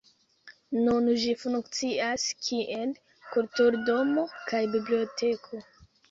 Nun ĝi funkcias kiel kulturdomo kaj biblioteko.